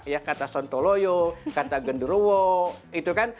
ya kata sontoloyo kata genderovo gitu kan